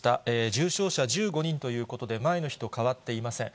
重症者１５人ということで、前の日と変わっていません。